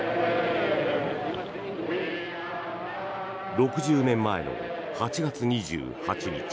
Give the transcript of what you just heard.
６０年前の８月２８日